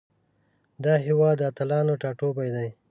دا هیواد د اتلانو ټاټوبی ده.